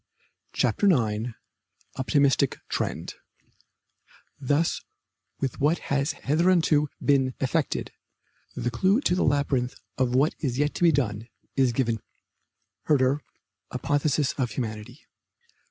CHAPTER IX OPTIMISTIC TREND Thus, with what has hitherto been effected, the clue to the labyrinth of what is yet to be done is given us. HERDER: Apotheosis of Humanity.